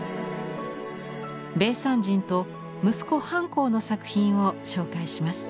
米山人と息子半江の作品を紹介します。